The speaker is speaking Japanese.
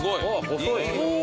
細い。